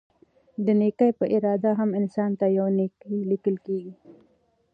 د نيکي په اراده هم؛ انسان ته يوه نيکي ليکل کيږي